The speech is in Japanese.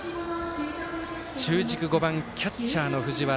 中軸、５番キャッチャーの藤原。